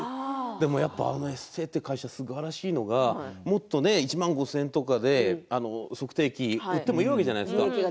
でも、エステーという会社すばらしいのが１万５０００とかで出してもいいわけじゃないですか。